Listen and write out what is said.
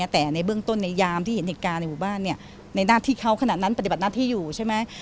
แต่ในเบื้องต้นในยามที่เห็นเหตุการณ์ในหมู่บ้านในหน้าที่เขาขนาดนั้นปฏิบัติหน้าที่อยู่ใช่ไหม